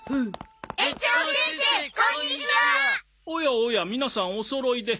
おやおや皆さんおそろいで。